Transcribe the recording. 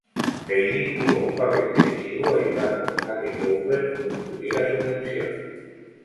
Hayley jugó un papel decisivo ayudando a que Cowper obtuviera su pensión.